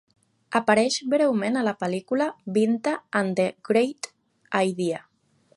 Apareix breument a la pel·lícula Binta and the Great Idea.